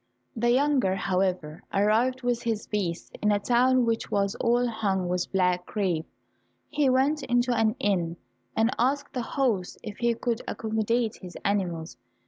The younger, however, arrived with his beasts in a town which was all hung with black crape. He went into an inn, and asked the host if he could accommodate his animals.